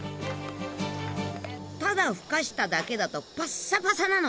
ただふかしただけだとパッサパサなの。